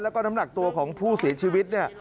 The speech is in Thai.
แล้วก็น้ำหนักตัวของผู้เสียชีวิตเนี่ย